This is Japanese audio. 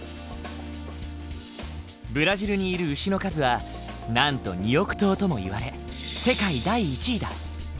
ブラジルにいる牛の数はなんと２億頭ともいわれ世界第１位だ。